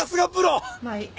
まあいい。